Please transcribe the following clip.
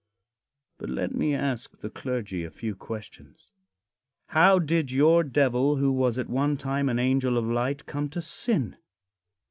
But let me ask the clergy a few questions: How did your Devil, who was at one time an angel of light, come to sin?